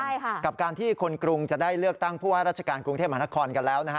ใช่ค่ะกับการที่คนกรุงจะได้เลือกตั้งผู้ว่าราชการกรุงเทพมหานครกันแล้วนะฮะ